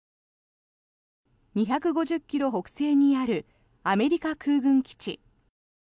２５０ｋｍ北西にあるアメリカ空軍基地。